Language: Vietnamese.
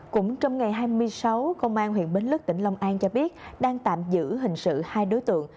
cũng trong ngày hai mươi sáu công an huyện bến lức tỉnh long an cho biết đang tạm giữ hình sự hai đối tượng